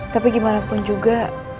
tapi gimana pun juga